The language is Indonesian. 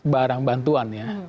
barang bantuan ya